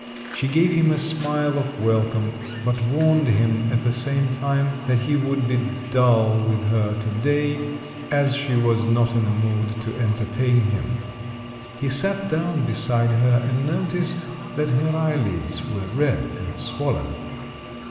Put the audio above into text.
She gave him a smile of welcome, but warned him at the same time that he would be dull with her to day, as she was not in a mood to entertain him. He sat down beside her, and noticed that her eyelids were red and swollen.